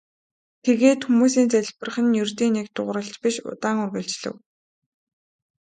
Тэгээд хүмүүсийн залбирах нь ердийн нэг дуугаралт биш удаан үргэлжлэв.